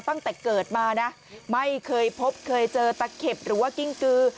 ตั้งแต่เกิดมานะไม่เคยพบเคยเจอตะเข็บหรือว่ากิ้งกือ